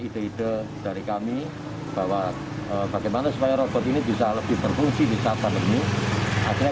ide ide dari kami bahwa bagaimana supaya robot ini bisa lebih berfungsi bisa pandemi akhirnya